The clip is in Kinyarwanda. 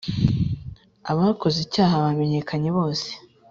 Abakoze icyaha bamenyekanye bose